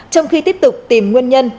trong khi tiếp tục tìm nguồn nhân